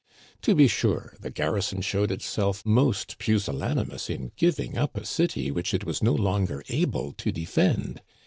To be sure the garrison showed itself most pusillanimous in giving up a city which it was no longer able to defend